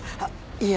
いえ